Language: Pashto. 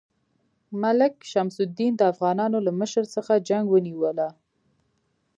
ملک شمس الدین د افغانانو له مشر څخه جنګ ونیوله.